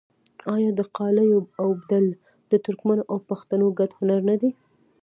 آیا د قالیو اوبدل د ترکمنو او پښتنو ګډ هنر نه دی؟